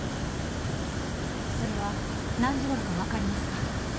それは何時頃かわかりますか？